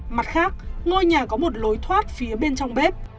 mặt khác ngôi nhà có một lối thoát phía bên trong bếp